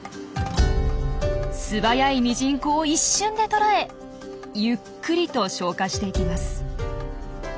素早いミジンコを一瞬で捕らえゆっくりと消化していきます。